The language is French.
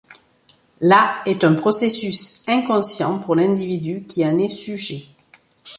La est un processus inconscient pour l'individu qui en est sujet.